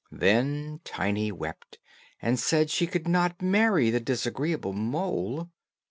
Then Tiny wept, and said she would not marry the disagreeable mole.